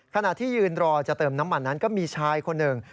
ขณะที่ยืนรอจะเติมน้ำมันนั้นก็มีชายคนหนึ่ง